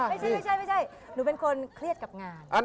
ไม่ใช่หนูเป็นคนเครียดกับงาน